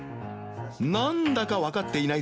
何だか分かっていない